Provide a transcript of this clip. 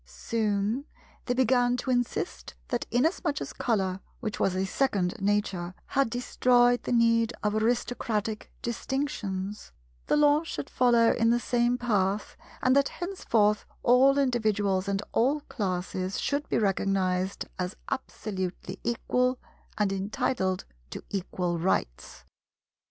Soon, they began to insist that inasmuch as Colour, which was a second Nature, had destroyed the need of aristocratic distinctions, the Law should follow in the same path, and that henceforth all individuals and all classes should be recognized as absolutely equal and entitled to equal rights.